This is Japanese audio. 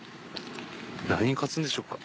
何に勝つんでしょうか。